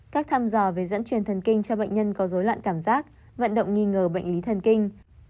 các thăm dò về dẫn truyền thần kinh cho bệnh nhân có dối loạn cảm giác vận động nghi ngờ bệnh lý thần kinh